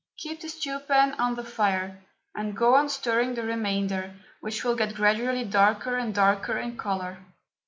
Keep the stew pan on the fire, and go on stirring the remainder, which will get gradually darker and darker in colour.